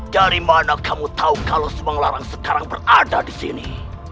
dari mana kamu tahu kalau subang larang sekarang berada di sini